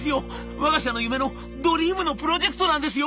わが社の夢のドリームのプロジェクトなんですよ！